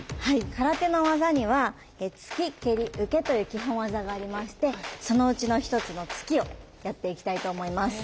空手の技には突き蹴り受けという基本技がありましてそのうちの一つの突きをやっていきたいと思います。